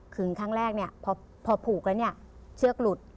ขึงครั้งแรกพอผูกแล้วเชือกหลุด